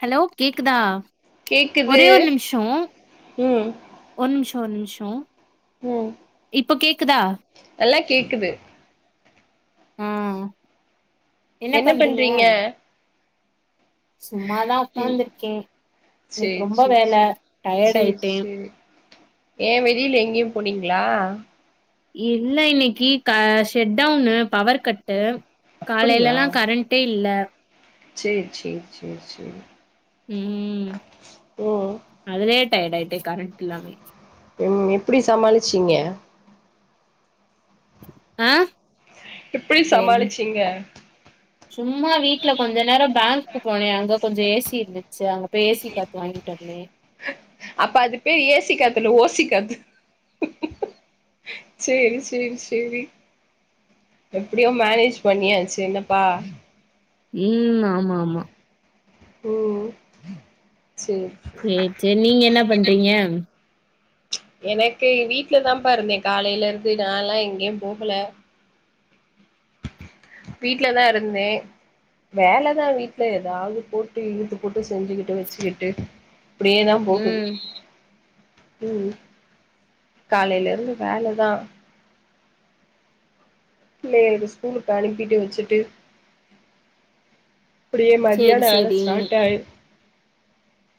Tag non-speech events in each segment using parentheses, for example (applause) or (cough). Hello கேக்குதா கேக்குது ஒரே ஒரு நிமிஷோ ம் ஒரு நிமிஷ் ஒரு நிமிஷோ ம் இப்ப கேக்குதா நல்லா கேக்குது ம் என்ன பண்றீங்க சும்மாதா ம் உக்காந்துருக்கே இன்னைக் சேரி ரொம்ப சேரி வேல சேரி டயர்ட் சேரி ஆயிட்டே சேரி ஏ வெதில எங்கேயு போனீங்களா இல்ல இன்னைக்கு க ஷட்டவுனு பவர் கட்டு அப்படியா காலயிலல்லா கரண்டே இல்ல சேரி சே சே சே ம் அதுவேட் டயர்ட் ஆயிட்டே காரன்டு இல்லாமே ம் எப்பிடி சமாளிச்சீங்க அ எப்படி என் சமாளிச்சீங்க சும்மா வீட்டுல கொஞ்சோ நேரம் பேங்க்க்க போனேன் அங்க கொஞ்சோ ஏசி இருந்துச்சு அங்க பேய் ஏசி காத்து வாங்கிட்டு வந்தே அப்ப அது பேரு ஏ சி காத்துல ஓசிக்காத்து சேரி சேரி சேரி எப்படியோ மேனேஜ் பண்ணியாச்சு என்னப்பா உ ஆமா ஆமா ம் சேரி சே சே நீங்க என்ன பண்றீங்க எனக்கு வீட்டுலதான்ப்பா இருந்தே காலையில இருந்து நான்ல்லா எங்கேயு போகல வீட்டு்லதா இருந்தே வேலதா வீட்டுல ஏதாவது போட்டு இழுத்து போட்டு செஞ்சுக்கிட்டு வச்சிட்டு அப்டியேதா போகுது ம் உ காலேலருந்து வேலதா பில்லேலுகு ஸ்கூலுக்கு அனுப்பிட்டு வச்சுட்டு அப்டியே சேரி மதியான ஆல சேரி ஸ்டாட் ஆயிடு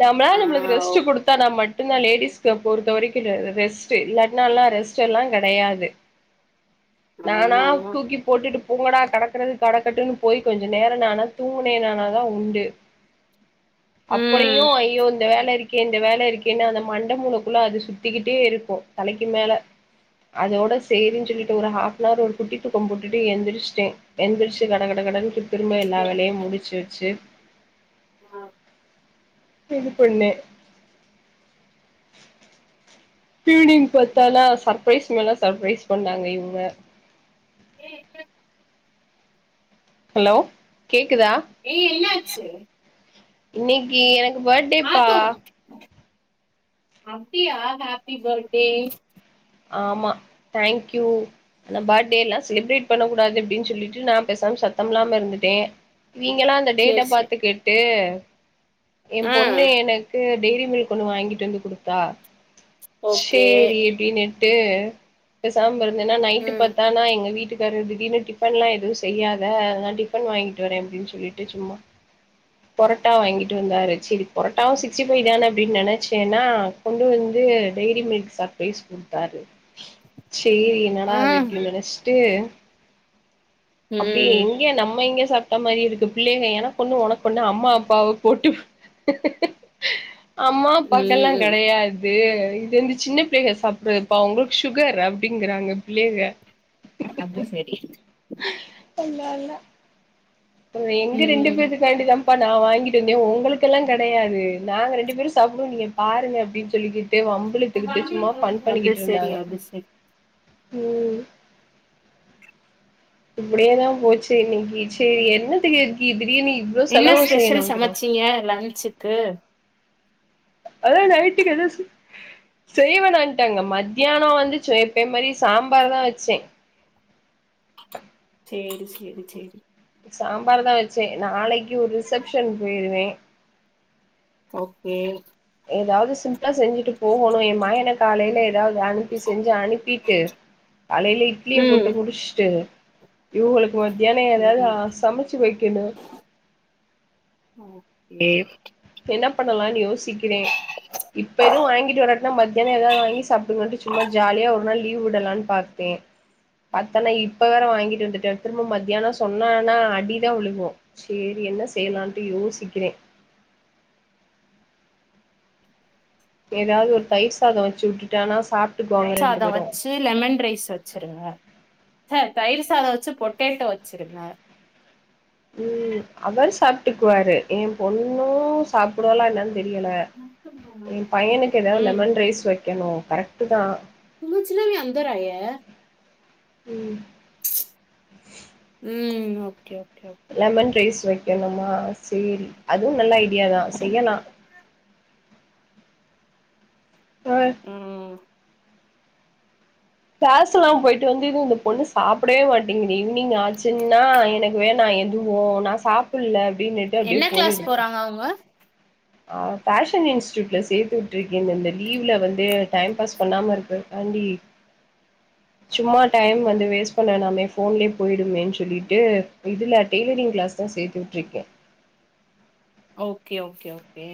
நம்மளா ஆ நம்மளுக்கு ரெஸ்ட் ஓ கொடுத்தா நம்ம மட்டுந்தா லேடிஸ்கு அப்ப பொருத்தவரைக்க ரெஸ்ட்டு இல்ட்னாலா ரெஸ்ட் எல்லா கெடையாது நானா ஆமா ஆமா தூக்கி போட்டுட்டு பூங்கடா கடக்கறது கடக்கட்டுன்னு போய் கொஞ்ச நேரோ நானா தூங்குணே நானாதா உண்டு உ பொடியோ ஐயோன் இந்த வேல இருக்கே இந்த வேல இருக்கேன்னு அந்த மண்ட மூலக்குள்ள அது சுத்திக்கிட்டே இருக்கு தலைக்கு மேல அதோட செரினு சொல்லிட்டு ஒரு ஒரு குட்டி தூக்கோ போட்டுட்டு எழுந்திரச்சிட்டே எந்திரிச்சு கட கட கடனு திரும்ப எல்லா வேலையு முடிச்சு வச்சு ஆ இது பன்னே ஈவ்னிங் பாத்தானா சர்பரைஸ் மேல சர்பரைஸ் பண்ணாங்க இவங்க ஏ ஹலோ கேக்குதா ஏ என்னாச்சு இன்னைக்கு எனக் பேர்டேப்பா ஆத்தும் அப்டியா ஹாப்பி பேர்த்டே ஆமா தேங்க் யூ ஆனா பேர்த்டேலா செலிப்ரேட் பண்ண கூடாது அப்டின்னு சொல்லிட்டு நா பெசாம சத்தமில்லாம இருந்துட்டே இவிங்களா அந்த டேட்ட சேரி சேரி பாத்து கிட்டு (inaudible) எ ஆ பொண்ணு எனக்கு டெய்ரி மில்க் ஒண்ணு வாங்கிட்டு வந்து கொடுத்தா ஓகே சேரி அப்டின்னு ட்டு பெ சாம்பாரு என்னனா நைட்டு் ம் பத்தானா எங்க வீட்டுக் டாரு திடீர்னு டிஃபன்லா எதுவு செய்யாத நா டிஃபன் வாங்கிட்டு வரே அப்டின் சொல்லிட்டு சும்மா பரோட்டா வாங்கிட்டு வந்தாரு செரி பரோட்டாவு சிக்ஸ்டி ஃபை தான அப்டின் நெனச்சேனா கொண்டு வந்து டைரி மில்க் சர்ப்ரைஸ் குடு சாரு சேரி எண்ணடா அது ம் அப்டி நெனச்சுட்டு அப்டியே ம் எங்ய நம்ம எங்க சாப்ட மாரி இருக்கு பிள்ளைக எனக்கொன்னு ஒனக்கொன்னு அம்மா அப்பாவ போட்டு அம்மா அப்பாக்கல்லா ம் கெடையா து இது வந்து சின்ன பிள்ளைக சாப்புட்றதுப்பா ஒங்ளுக்கு சுகர் அப்டிங்குறாங்க பிள்ளைக அது சேரி (inaudible) இல்லேல்ல அவுங்க எங்க ரெண்டு ம் பேத்துக்கான்டிதம் பா நா வாங்கிட்டு வந்தே ஒங்களுக்கெல்லா கெடயாது நாங்க ரெண்டு பேரு‌ சாப்புடுவொ நீங்க பாருங்க அப்டின் சொல்லிகிட் டு வம்புலுத்துக்கிட்டு சும்மா ஃபன் அது சரி பண்ணிக்கிட்ருந்தாங்க அது சரி ம் இப்புடியே தா போச்சு இன்னக்கி சேரி என்னத்துக்கு கீ என்ன ஸ்பெஷல் சமச்சீங்க லன்ச்சுக்கு? அதா நைட்டுக்கு எதுவு செ செய்யவேனான்ட்டாங்க மத்யானொ வந்துச்ச எப்பயு மாரி சாம்பார் தா வச்சே சேரி சேரி சேரி சாம்பார் தா வச்சே நாளக்கி ஒரு ரிசப்ஷன் போயிருவே ஓகே எதாவுது சிம்பிளா செஞ்சுட்டு போகணு ஏ மயன காலைல எதாவு து அனுப்பி செஞ்சு அனுப்பிட்டு காலைல இட்லிய ம் போட்டு முடுச்ட்டு இவுங்களுக்கு மத்தியான எதாவுது சரி அ சமச்சு வைக்கணு டே என்ன பண்ணலான் யோசிக்கிறே இப்ப எதுவு வாங்கிட்டு வராட்னா மத்தியானொ எதாவுது வாங்கி சாப்டுங்கன்ட்டு சும்மா ஜாலியா ஒரு நாள் லீவ் விடலான் பாத்தே பாத்தனா இப்பதான வாங்கிட்டு வந்துட்ட திரும்ப மத்தியானொ சொன்னானா அடிதா விழுகு சேரி என்ன செய்யலான்ட்டு யோசிக்கிறே எதாவ்து ஒரு தயிர் சாதொ வச்சு விட்டுட்டேனா சாப் தயிர் சாதொ வச்சு லெமன் ரைஸ் வச்சுருங்க ஹ தயிர் சாதொ வச்சு பொட் டேட்டோ வச்சிருங்க ம் அவர் சாப்டுக்குவாரு எ பொண்ணு சாப்புடுவாலா என்னன் தெரியல எ பையனுக்கு எதாவ் ம் லெமன் ரைஸ் வக்கெணு கரெக்டு தா துமச்னாமி அந்தர் ஆய உம் ம் okay okay okay lemon rice வை ணுமா சேரி அதுவும் நல்லா முடியாதான் செய்யலாம் ஆஹ ம் கிளாஸ் எல்லா போயிட்டு வந்து இதுவு இந்த பொண்ணு சாப்புடவே மாட்டெங்குது ஈவ்னிங் ஆச்சுன்னா எனக்கு வேணா எதுவு‌ நா சாப்புல்ல என்ன கிளாஸ் போறாங்க அவுங்க ஆஹ் பேஷன் இன்ஸ்டூட்ல சேர்த்து விட்டு இருக்கேன் இந்த இந்த லீவ்ல வந்து டைம் பாஸ் பண்ணாம இருக்ககாண்டி சும்மா டைம் வந்து வேஸ்ட் பண்ணனாமே போன்லயே போயிடுமேன்னு சொல்லிட்டு இதுல டெய்லரிங் கிளாஸ் தான் சேர்த்து விட்டுருக்கேன் ஓகே ஓகே ஓகே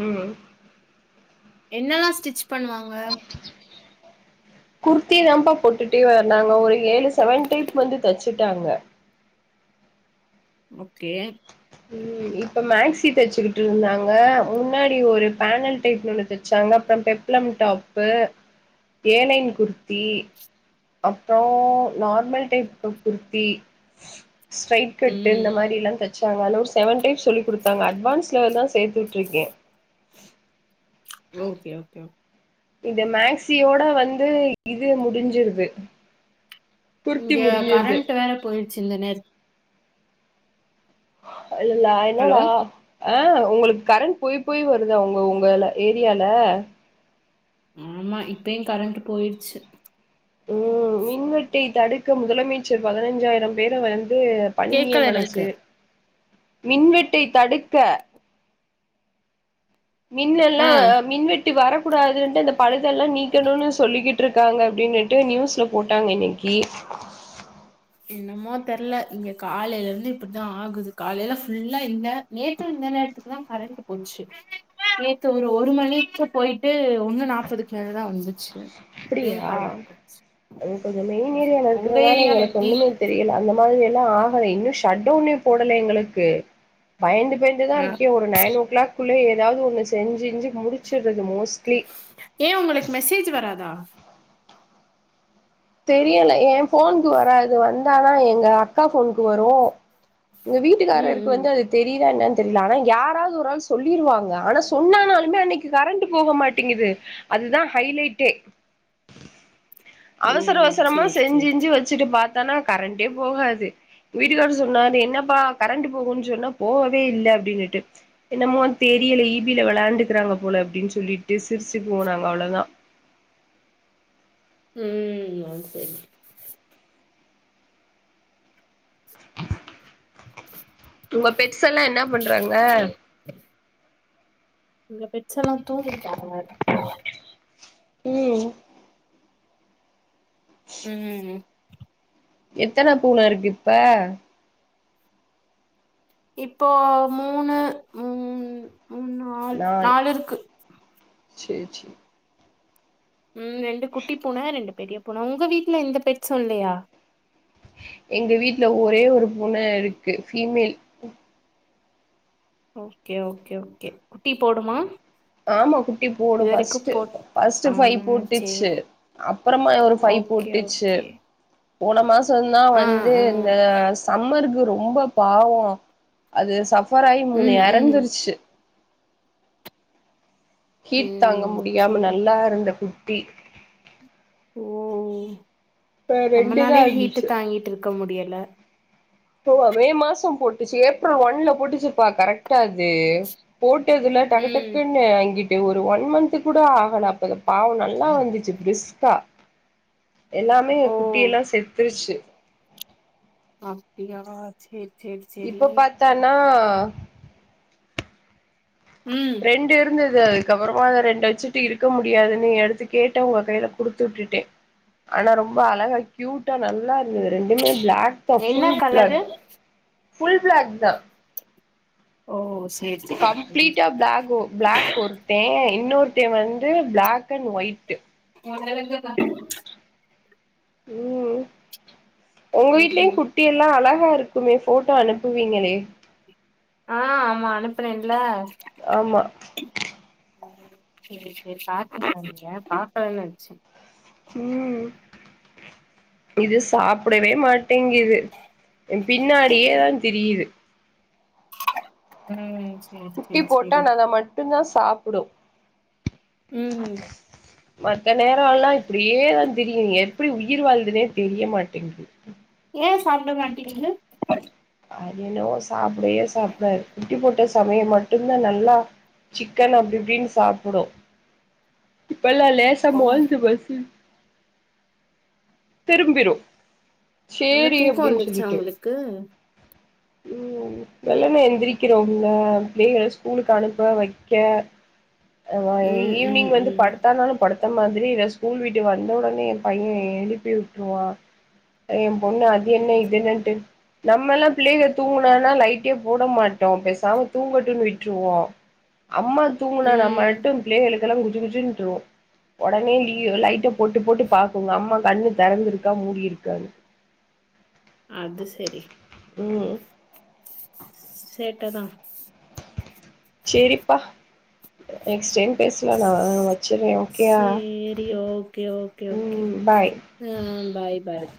உம் என்னல்லாம் ஸ்டிச் பண்ணுவாங்க குர்த்தி தான்ப்பா போட்டுட்டே வர்ராங்க ஒரு ஏழு செவன் டைப் வந்து தைச்சுட்டாங்க ஓகே உம் இப்ப மேக்சி தைச்சுக்கிட்டு இருந்தாங்க முன்னாடி ஒரு பேனல் டைப்னு ஒன்னு தச்சாங்க அப்புறம் பெப்ளம் டாப்பு ஏலைன் குர்த்தி அப்புறம் normal type kurti straight cut ம் இந்த மாதிரி எல்லாம் தச் செவன் டைப் சொல்லி கொடுத்தாங்க அட்வான்ஸ் லெவல் தான் சேர்த்துட்டு இருக்கேன் ஓகே ஓகே கே இந்த மேக்சியோட வந்து இது முடிஞ்சிருது குர்த்தி இங்க முடிஞ்சிருது கரண்ட் வேற போயிருச்சு இந்த நேரத்துல ஆஹ இல்லல்லா நான் ஹலோ என்னனா ஆஹ் உங்களுக்கு கரண்ட் போய் போய் வருதா உங்க உங்க ஏரியால ஆமா இப்பயும் கரண்ட் போயிடுச்சு க்க முதலமைச்சர் பதினைஞ்சாயிரம் பேரை வந்து க்கு பணி நியமணம் கேக்கல நடந்துச்சு எனக்கு மின்வெட்டை தடுக்க மின் ஆ எல்லாம் மின்வெட்டு வரக்கூடாதுன்ட்டு அந்த பழுதெல்லாம் நீக்கணும்னு சொல்லிக்கிட்டு இருக்காங்க அப்படின்னுட்டு நியூஸ்ல போட்டாங்க இன்னைக்கு என்னமோ தெர்ல இங்க காலையில இருந்து இப்படித்தான் ஆகுது காலையில புல்லா இல்ல நேத்து இந்த நேரத்துக்கு தான் கரண்ட் போச்சு நேற்று ஒரு ஒரு மணிக்கு போயிட்டு ஒண்ணு நாற்பதுக்கு மேலதா வந்துச்சு அப்பயு அப்படியா கரண்ட் போச்சு அது கொஞ்சம் மெயின் ஆமா ஏரியில உங்க இருக்கிறதுனால ஏரியால எனக்கு எப்டி வந்து ஒன்னுமே தெரியல அந்த மாதிரியல்லாம் ஆகலை இன்னும் ஷட்டவுனே போடல எங்களுக்கு பயந்து பயந்து தான் ம், இருக்கே ஒரு நைன் ஓ கிளாக் புள்ள ஏதாவது ஒன்னு செஞ்சிகிஞ்சு முடிச்சறது மோ ஏ உங்களுக்கு மெசேஜ் வராதா தெரியல என் போனுக்கு வராது வந்தாதா எங்க அக்கா போனுக்கு வரும் உங்க ம் வீட்டுக்காரருக்கு ம் வந்து அது தெரியுதா என்னனு தெரியல ஆனா யாராவது ஒரு ஆள் சொல்லிருவாங்க ஆனா சொன்னாலுமே அன்னைக்கு கரண்டு போக மாட்டேங்குது அதுதா ஹைலைட்டே ஓ அவசர அவசரமா சேரி சேரி செஞ்சிஞ்சு சேரி வச்சுட்டு பாத் தனா கரண்டே போகாது வீட்டுக்கார சொன்னாரு என்னப்பா கரண்டு போகும்ன்னு சொன்னா போகவே இல்ல அப்படின்னுட்டு என்னமோ தெரியல ஈபியில விளையாண்டுக்கிறாங்க போல அப்படின்னு சொல்லிட்டு சிரிச்சுக்குவோ அவ்வளவுதா ம் அது சரி (unintelligible) (inaudible) உங்க பெட்ஸ் எல்லா என்ன பண்றாங்க இங்க பெட்ஸ் எல்லா தூங்கிட்டாங்க ம் ம் எத்தன பூன இருக்கு இப்ப இப்போ மூணு ம் ம் நாலு நாலு இருக்கு சேரி சேரி உம் ரெண்டு குட்டி பூன ரெண்டு பெரிய பூன உங்க வீட்ல எந்த பெட்ஸும் இல்லையா எங்க வீட்டுல ஒரே ஒரு பூனை இருக்கு ஃபீமேல் ஓகே ஓகே ஓகே குட்டி போடுமா ஆமா குட்டி போடும் இது வரைக்கு ஃபஸ்ட்டு போட் ஃபஸ்ட்டு ஆ ஃபைவ் சேரி போட்டுச்சு அப்புறமா ஒரு ஃபைவ் ஓகே போட்டுச்சு ஓகே போன மாச சொன்னா ஆ வந்து ஆ இந்த சம்மர் குரு ரொம்ப பாவ அது சப் தோராய் மூணு ம் ம் இறந்துருச்சு கீட் தாங்க ம் முடியாம சேரி நல்லா இருந்த குட் தி ஓ ரெண்டுதா நம்மலாலே ஹீட்டு இருந்துச்சு தாங்கிட்டு இருக்க முடியல போ அதே மாசம் போட்டுச்சு ஏப்ரல் ஒன்ல போட்டுச்சுப்பா கரெக்டா அது போட்டதுல டக்கு ம் டக்குன்னு அங்கிட்டு ப்ப ஒரு ஒன் மந்த்த் கூட ஆகல அப்ப பாவ நல்லா வந்துச்சு பிரிஸ்க்கா எல்லாமே ஓ குட்டி எல்லா செத்துருச்சு அப்டியா சேரி சேரி சேரி இப்ப பாத்தானா ஆ ம் ரெண்டு இருந்தது அதுக்கு அப்றமா அத ரெண்ட வெச்சுட்டு இருக்க முடியாதுனு எடுத்து கேட்டு அவுங்க கையில குடுத்து விட்டுட்டே ஆனா ரொம்ப அழகா க்யூட்டா நல்லா ரெண்டுமே பிளாக் தா என்ன full black colour full black தா ஓ சேரி சேரி கம்ப்ளீட்டா பிளாக் பிளாக் ஒருத்தே இன்னொருத்தே வந்து பிளாக் அண்ட் ஒயிட் மல்ல இருக்க (unintelligible) உம் உங்க வீட்லயு ம் குட்டி எல்லா அள கருப்பா இருக்குமே போட்டோ அனுப்புவீங்களே ஆ ஆமா அனுப்புனேன்ல ஆமா சேரி சேரி பாக்கனுன்னு நெனச்சே பாக்கலேனு நெனச்சே உம் இது சாப்டவே மாட்ட டேங்குது எ பின்னாடியேதா திரியுது உம் குட்டி போட்டா நாங்க மட்டுதா சாப்டு உம் மத்த நேரோ எல்லா இப்டியேதா திரியு எப்டி உயிர் வாழுதுனே தெரிய மாட்டேங்குது ஏ சாப்டமாட்டிங்குது அது என்னவோ சாப்டவே சாப்டாது குட்டி போட்ட சமயோ மட்டுதா நல்லா சிக்கன் அப்டி இப்டின்னு சாப்டு பல்ல லேசா ஓ மொளஞ்சு போச்சு திரும்பிரு என்ன சேரி தூக்கோ அப்டின்னு வந்துருச்சா ஒங்களுக்கு உம் வெள்ளென எந்திரிக்குறோம்ல பிள்ளைகள ஸ்கூலுக்கு அனுப்ப வக்க ஆமா ம் ஈவினிங் ம் வந்து ம் படுத்தானாலு படுத் அந்த மாதிரி இதா ஸ்கூல் விட்டு வந்த ஒடனே எம் பைய எழுப்பி உட்ருவா எம் பொண்ணு அது என்ன இது என்னன்ட்டு நம்மல்லாம் பிள்ளைக தூங்குனாதா லைட்டே போட மாட்டோ பெருசா அவங் தூங்கட்டுன் விட்ருவோ அம்மா தூங்குனானா ம் மட்டும் பிள்ளைகளுக் இதெல்லாங் குச்சு குச்சுன்ட் இருக்கு ஒடனே லீவ் லைட்ட போட்டு போட்டு பாக்குங்க அம்மா கண்ணு தெறந்துருக்கா மூடியிருக்கானு அது சேரி ம் சேட்டதா சேரிப்பா நெக்ஸ்ட் டைம் பேசலா நா வச்சுறே ஓகேயா சேரி ஓகே ஓகே ஒகே ம் பாய் ஆ பாய் பாய்